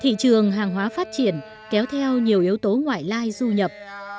thị trường hàng hóa phát triển kéo theo nhiều yếu tố ngoại lai du nhập